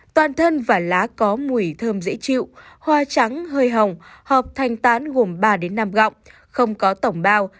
toàn thân và lá có mùi thơm dễ chịu hoa trắng hơi hồng họp thanh tán gồm ba năm gọng không có tổng bao